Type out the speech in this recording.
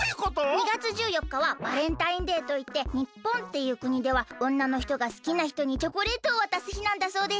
２がつ１４かはバレンタインデーといってにっぽんっていうくにではおんなのひとがすきなひとにチョコレートをわたすひなんだそうです。